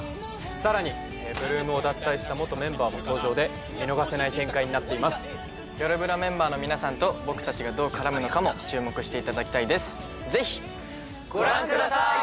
さらに８ＬＯＯＭを脱退した元メンバーも登場で見逃せない展開になっています「よるブラ」メンバーの皆さんと僕たちがどう絡むのかも注目していただきたいです